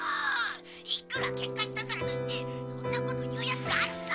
いくらけんかしたからといってそんなこと言うやつがあるか！」。